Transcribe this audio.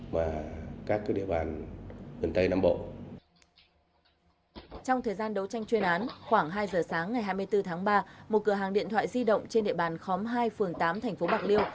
một cửa hàng điện thoại di động trên địa bàn khóm hai phường tám tp bạc liêu